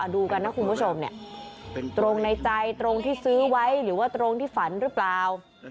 ดูกันนะคุณผู้ชมเนี่ยตรงในใจตรงที่ซื้อไว้หรือว่าตรงที่ฝันหรือเปล่า